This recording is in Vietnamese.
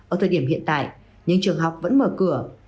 ở thời điểm hiện tại nhưng trường học vẫn mở cửa